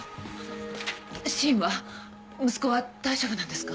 芯は息子は大丈夫なんですか？